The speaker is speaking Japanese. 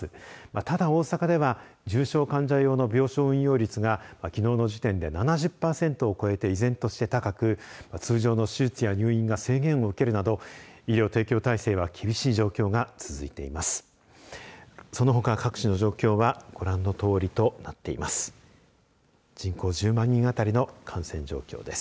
ただ、大阪では重症患者用の病床利用率がきのうの時点で７０パーセントを超えて依然として高く通常の手術や入院が制限を受けるなど医療提供体制は厳しい状況が続いています。